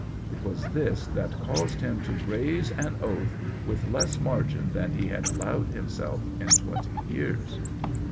It was this that caused him to graze an oath with less margin that he had allowed himself in twenty years.